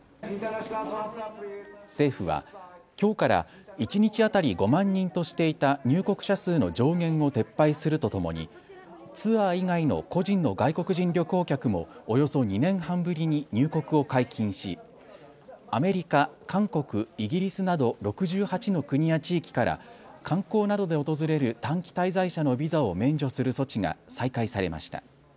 政府はきょうから一日当たり５万人としていた入国者数の上限を撤廃するとともにツアー以外の個人の外国人旅行客もおよそ２年半ぶりに入国を解禁しアメリカ、韓国、イギリスなど６８の国や地域から観光などで訪れる短期滞在者のビザを免除する措置が再開されました。